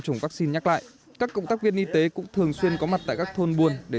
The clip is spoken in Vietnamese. chủng vaccine nhắc lại các cộng tác viên y tế cũng thường xuyên có mặt tại các thôn buôn để